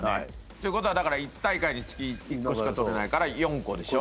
ていうことはだから１大会につき１個しかとれないから４個でしょ？